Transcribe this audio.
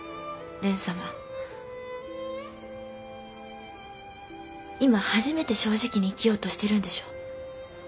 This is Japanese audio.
今初めて正直に生きようとしてるんでしょう？